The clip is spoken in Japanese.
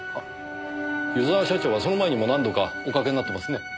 湯沢社長はその前にも何度かおかけになってますね？